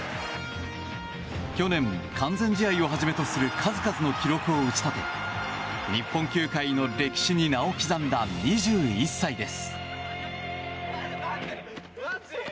去年、完全試合をはじめとする数々の記録を打ち立て日本球界の歴史に名を刻んだ２１歳です。